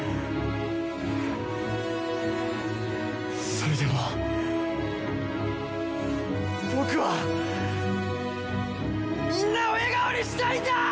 それでも僕はみんなを笑顔にしたいんだ！！